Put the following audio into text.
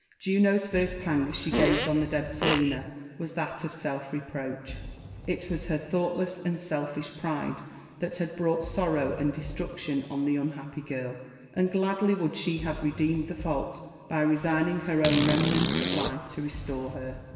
Juno's first pang as she gazed on the dead Selina was that of self reproach. It was her thoughtless and selfish pride that had brought sorrow and destruction on the unhappy girl, and gladly would she have redeemed the fault by resigning her own remnant of life to restore her.